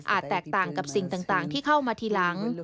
แตกต่างกับสิ่งต่างที่เข้ามาทีหลัง